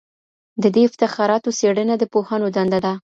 د دې افتخاراتو څېړنه د پوهانو دنده ده